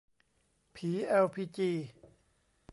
ผีแอลพีจี